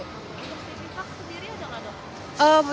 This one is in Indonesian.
vaksin vaksin sendiri ada nggak dong